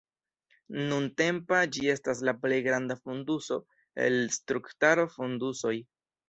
Nuntempa ĝi estas la plej granda fonduso el strukturaj fondusoj.